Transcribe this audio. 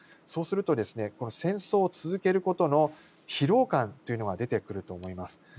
そうすると戦争を続けることの疲労感というのが出てくると思います。